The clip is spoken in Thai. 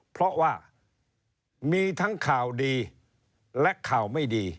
เพราะว่ามีทั้งข่าวดีและข่าวไม่ดี